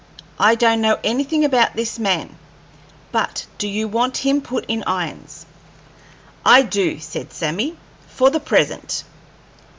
I don't know anything about this man; but do you want him put in irons?" "I do," said Sammy, "for the present."